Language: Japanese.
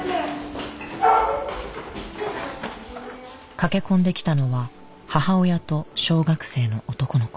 駆け込んできたのは母親と小学生の男の子。